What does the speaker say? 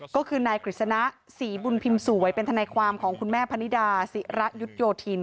ก็คือนายกฤษณะศรีบุญพิมพ์สวยเป็นทนายความของคุณแม่พนิดาศิระยุทธโยธิน